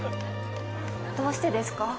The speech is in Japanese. どうしてですか？